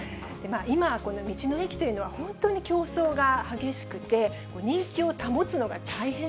今、この道の駅というのは本当に競争が激しくて、人気を保つのが大変